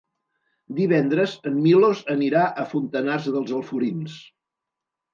Divendres en Milos anirà a Fontanars dels Alforins.